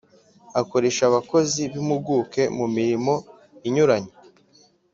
Akoresha abakozi b’impuguke mu mirimo inyuranye